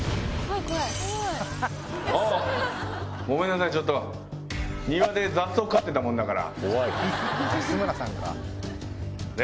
あぁごめんなさいちょっと庭で雑草刈ってたもんだから。